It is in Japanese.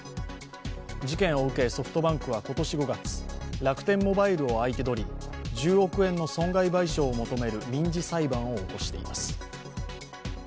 事件を受け、ソフトバンクは今年５月、楽天モバイルを相手取り、１０億円の損害賠償を求める民事裁判を起こしています。